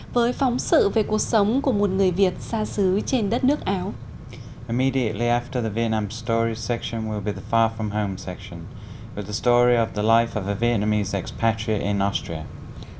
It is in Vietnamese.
với phóng sự về cuộc sống của một người việt xa xứ trên đất nước áo